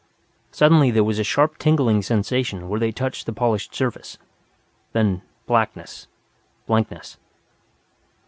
Suddenly there was a sharp tingling sensation where they touched the polished surface. Then blackness, blankness.